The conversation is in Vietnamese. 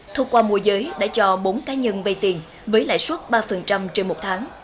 thuộc qua mùa giới đã cho bốn cá nhân vây tiền với lãi suất ba trên một tháng